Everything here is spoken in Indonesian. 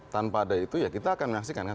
tanpa ada itu ya kita akan menyaksikan kan